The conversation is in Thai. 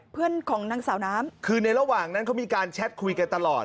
เพื่อนของนางสาวน้ำคือในระหว่างนั้นเขามีการแชทคุยกันตลอด